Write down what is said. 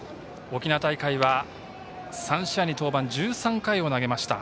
沖縄大会は３試合に登板１３回を投げました。